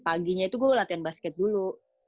paginya itu gue latihan basket dulu